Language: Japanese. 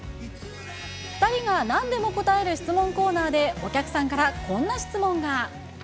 ２人がなんでも答える質問コーナーで、お客さんからこんな質問が。